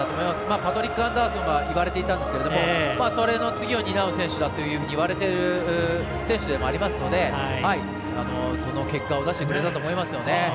パトリック・アンダーソンがいわれていたんですがそれの次を担う選手だというふうに言われてる選手だと思いますのでその結果を出してくれたと思いますね。